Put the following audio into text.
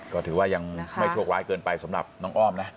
ก็ถือว่ายังไม่โชคร้ายเกินไปสำหรับน้องอ้อมนะ